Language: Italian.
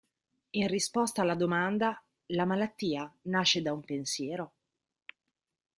In risposta alla domanda "la malattia nasce da un pensiero?